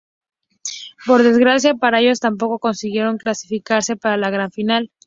Por desgracia para ellos, tampoco consiguieron clasificarse para la gran final.